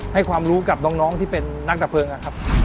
ให้ความรู้กับน้องที่เป็นนักดับเพลิงนะครับ